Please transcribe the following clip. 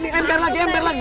ini ember lagi ember lagi